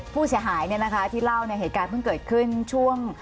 ผู้เสียหายที่เล่าเนี่ยเหตุการณ์เพิ่งเกิดขึ้นช่วง